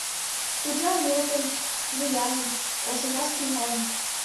Уржа нӧлтын, вуяҥын, ошемаш тӱҥалын.